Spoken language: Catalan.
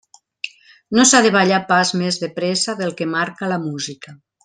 No s'ha de ballar pas més de pressa del que marca la música.